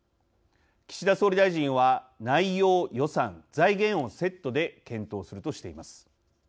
岸田総理大臣は内容・予算・財源をセットで検討するとしています。